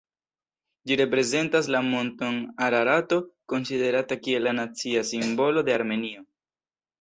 Ĝi reprezentas la monton Ararato, konsiderata kiel la nacia simbolo de Armenio.